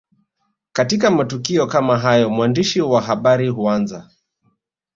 Katika matukio kama hayo mwandishi wa habari huanza